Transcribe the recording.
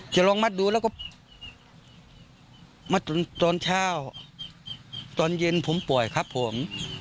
จะลองมัดดูแล้วก็มัดตอนเช้าตอนเย็นผมป่วยครับผม